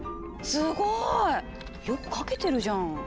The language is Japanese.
すごい！よく書けてるじゃん。